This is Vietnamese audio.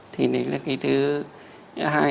thì đấy là cái thứ hai